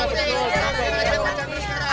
bu ranti mau ikut